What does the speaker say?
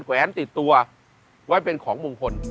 แวนติดตัวไว้เป็นของมงคล